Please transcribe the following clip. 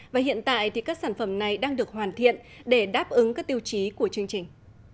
và hiện tại thì các sản phẩm này đang được hoàn thiện để đáp ứng các tiêu chí của chương trình